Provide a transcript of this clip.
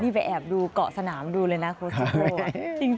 นี่ไปแอบดูเกาะสนามดูเลยนะโค้ช